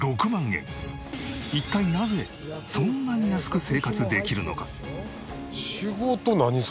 一体なぜそんなに安く生活できるのか？